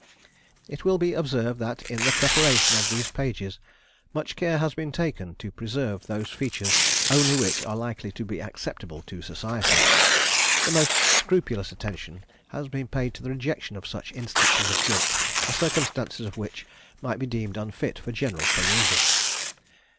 It will be observed that in the preparation of these pages much care has been taken to preserve those features only which are likely to be acceptable to society. The most scrupulous attention has been paid to the rejection of such instances of guilt, the circumstances of which might be deemed unfit for general perusal.